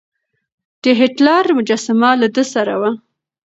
د هېټلر مجسمه له ده سره وه.